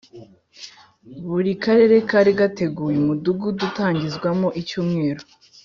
Buri Karere kari kateguye Umudugudu utangirizwamo icyumweru